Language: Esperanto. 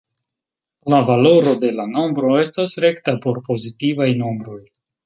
La valoro de la nombro estas rekta por pozitivaj nombroj.